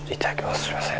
すいません。